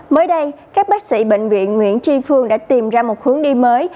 mới đây các bác sĩ bệnh viện nguyễn tri phương đã tìm ra một hướng đi mới